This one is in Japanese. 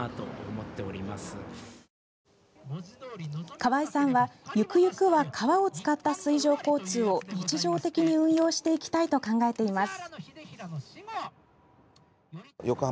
川井さんは、ゆくゆくは川を使った水上交通を日常的に運用していきたいと考えています。